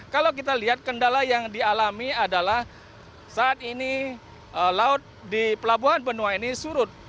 kalau kita lihat kendala yang dialami adalah saat ini laut di pelabuhan benoa ini surut